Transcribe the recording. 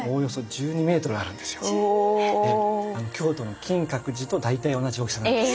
１２メートル⁉京都の金閣寺と大体同じ大きさなんです。